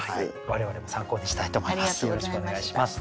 我々も参考にしたいと思います。